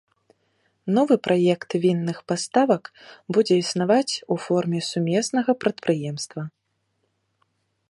Новы праект вінных паставак будзе існаваць у форме сумеснага прадпрыемства.